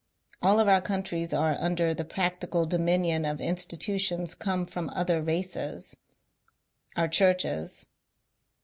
All of our countries are under the practical dominion of institutions come from other races ; our churches.